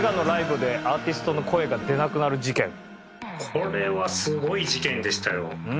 これはすごい事件でしたよ。